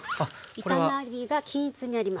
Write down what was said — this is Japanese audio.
炒まりが均一になります。